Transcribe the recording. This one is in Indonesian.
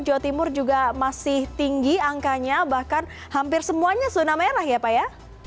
jawa timur juga masih tinggi angkanya bahkan hampir semuanya zona merah ya pak ya